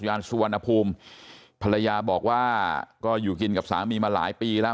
สุวรรณภูมิภรรยาบอกว่าก็อยู่กินกับสามีมาหลายปีแล้ว